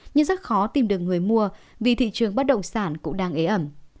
nhưng rất khó tìm được người mua vì thị trường bất động sản cũng đang ế ẩm